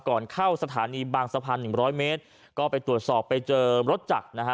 ก่อนเข้าสถานีบางสะพานหนึ่งร้อยเมตรก็ไปตรวจสอบไปเจอรถจักรนะฮะ